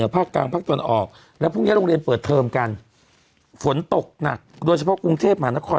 พักตนออกแล้วพรุ่งนี้โรงเรียนเปิดเทิมกันฝนตกหนักโดยเฉพาะกรุงเทพฯมหานคร